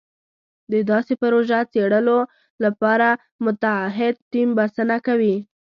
د داسې پروژو څېړلو لپاره متعهد ټیم بسنه کوي.